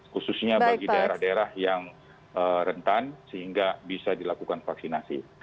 khususnya bagi daerah daerah yang rentan sehingga bisa dilakukan vaksinasi